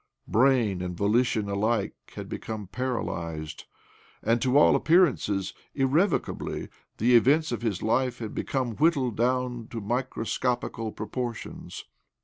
Brain OBLOMOV 71 and volition alike had become paralysed, and, to all appearances, irrevocably— the events of his life had become whittled down to microscopical proportions.